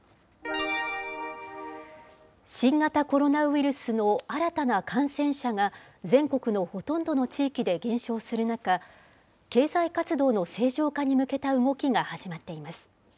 新型コロナウイルスの新たな感染者が、全国のほとんどの地域で減少する中、経済活動の正常化に向けた動きが始まっています。